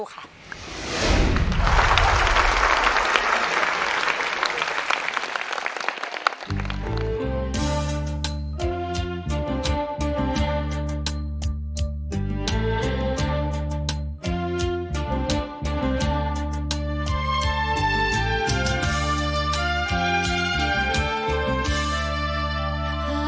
วิดีโนโลคลิปหลับให้รับทราบ